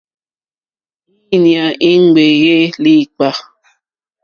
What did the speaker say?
Íɲa í ŋɡbèé líǐpkà.